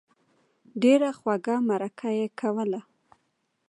ډېره خوږه مرکه یې کوله.